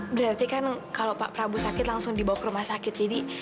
berarti kan kalau pak prabu sakit langsung dibawa ke rumah sakit ini